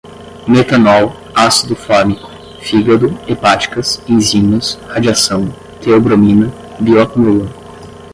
metanol, ácido fórmico, fígado, hepáticas, enzimas, radiação, teobromina, bioacumulam